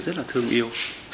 rất là thương yêu